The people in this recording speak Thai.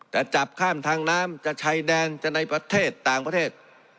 จะจับข้ามทางน้ำจะชายแดนจะในประเทศต่างประเทศ